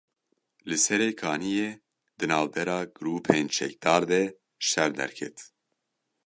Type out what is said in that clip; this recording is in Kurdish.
Li Serê Kaniyê di navbera grûpên çekdar de şer derket.